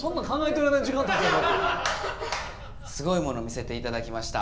すごいものを見せていただきました。